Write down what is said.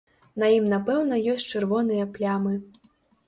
На ім напэўна ёсць чырвоныя плямы.